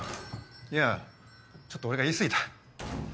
いやぁちょっと俺が言い過ぎた。